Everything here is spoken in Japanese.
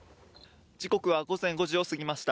時刻は午前５時を過ぎました。